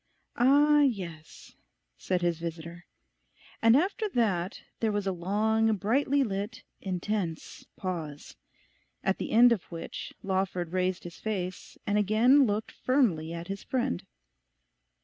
'Ah, yes,' said his visitor. And after that there was a long, brightly lit, intense pause; at the end of which Lawford raised his face and again looked firmly at his friend.